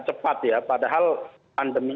cepat ya padahal pandemi